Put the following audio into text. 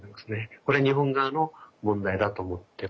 これは日本側の問題だと思ってますけども。